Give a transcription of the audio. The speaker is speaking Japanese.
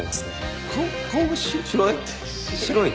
白い？